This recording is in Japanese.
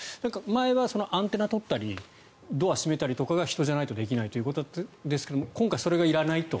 前はアンテナを取ったりドアを閉めたりとかが人じゃないとできないということでしたが今回はそれがいらないと。